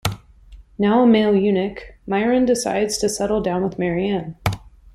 Now a male eunuch, Myron decides to settle down with Mary-Ann.